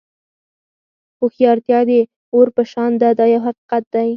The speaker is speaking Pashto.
هوښیارتیا د اور په شان ده دا یو حقیقت دی.